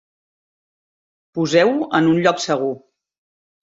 Poseu-ho en un lloc segur.